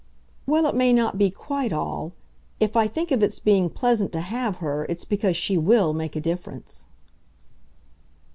"Well, it may not be quite all. If I think of its being pleasant to have her, it's because she WILL make a difference."